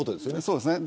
そうですね。